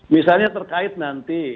misalnya terkait nanti